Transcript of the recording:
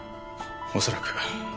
おそらく。